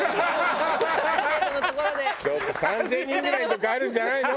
ちょっと３０００人ぐらいのとこあるんじゃないの？